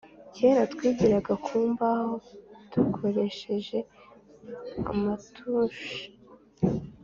Kera twigiraga ku mbaho dukoresha amatushi